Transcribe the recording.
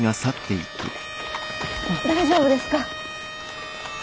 大丈夫ですか？